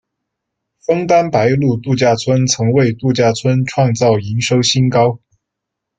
枫丹白露度假村曾为度假村创造营收新高。